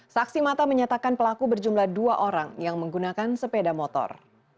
saksi mata menyatakan pelaku berjumlah dua orang yang menggunakan sepeda motor